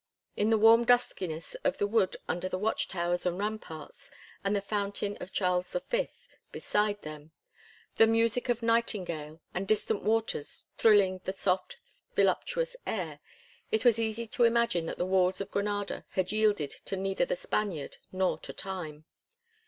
In the warm duskiness of the wood under the watch towers and ramparts, and the fountain of Charles V. beside them, the music of nightingale and distant waters thrilling the soft, voluptuous air, it was easy to imagine that the walls of Granada had yielded to neither the Spaniard nor to time.